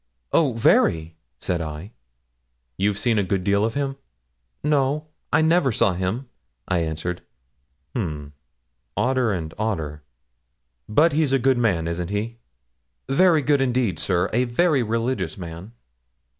'Oh, very!' said I. 'You've seen a good deal of him?' 'No, I never saw him,' I answered. 'H'm? Odder and odder! But he's a good man, isn't he?' 'Very good, indeed, sir a very religious man.'